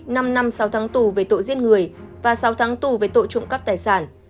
năm năm sáu tháng tù về tội giết người và sáu tháng tù về tội trộm cắp tài sản